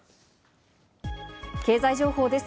経済情報です。